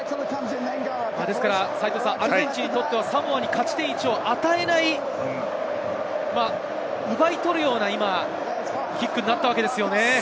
アルゼンチンにとっては、サモアに勝ち点１を与えない、奪い取るようなキックになったわけですよね。